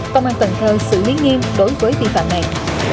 còn mang tần thơ sự liên nghiêm đối với vi phạm này